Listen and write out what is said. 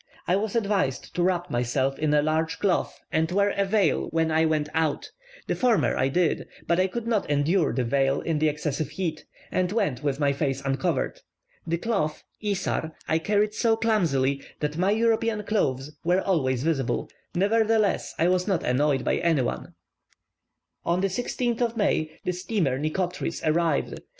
I was advised to wrap myself in a large cloth and wear a veil when I went out; the former I did, but I could not endure the veil in the excessive heat, and went with my face uncovered. The cloth (isar) I carried so clumsily that my European clothes were always visible; nevertheless I was not annoyed by any one. On the 16th of May, the steamer Nitocris arrived.